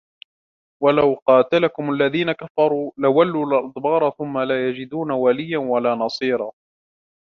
ولو قاتلكم الذين كفروا لولوا الأدبار ثم لا يجدون وليا ولا نصيرا